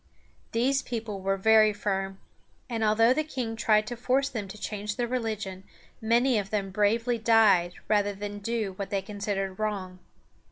These people were very firm, and although the king tried to force them to change their religion, many of them bravely died rather than do what they considered wrong.